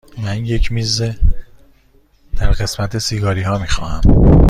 من یک میز در قسمت سیگاری ها می خواهم.